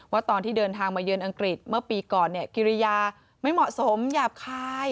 ตอนที่เดินทางมาเยือนอังกฤษเมื่อปีก่อนเนี่ยกิริยาไม่เหมาะสมหยาบคาย